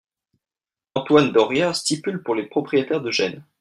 Antoine Doria stipule pour les propriétaires de Gênes.